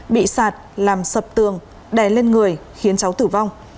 bị sạt làm sập tường đè lên người khiến cháu tử vong